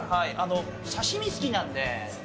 刺身好きなんで。